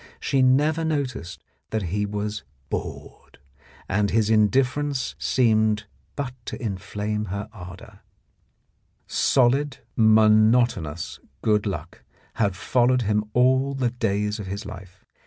She never noticed that he was bored, and his indifference seemed but to inflame her ardour. 28 The Blackmailer of Park Lane Solid, monotonous good luck had followed him all the days of his life.